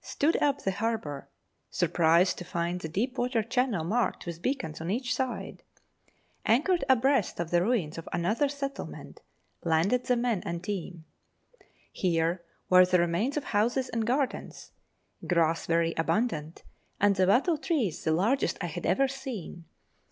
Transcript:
Stood up the harbour ; surprised to find the deep water channel marked with beacons on each side. Anchored abreast of the ruins of another settlement ; landed the men and team. Here were the remains of houses and gardens grass very abundant, and the wattle trees the largest I had ever seen.